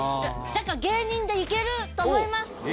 だから芸人でいけると思います！